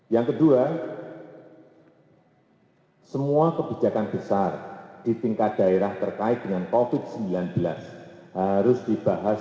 yang kedua semua kebijakan besar di tingkat daerah terkait dengan covid sembilan belas harus dibahas